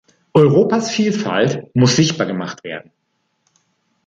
Europas Vielfalt muss sichtbar gemacht werden.